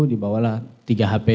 dibawalah tiga hp yang mulia itu